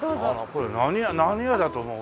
これ何屋だと思う？